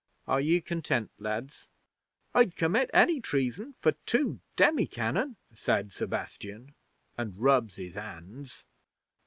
Are ye content, lads?" '"I'd commit any treason for two demi cannon," said Sebastian, and rubs his hands.